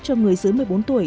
cho người dưới một mươi bốn tuổi